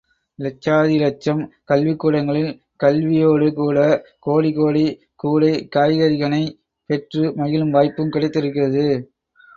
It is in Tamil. இலட்சாதி இலட்சம் கல்விக்கூடங்களில் கல்வியோடுகூட, கோடிகோடி கூடை காய்கறிகனைப் பெற்று மகிழும் வாய்ப்பும் கிடைக்கிறது.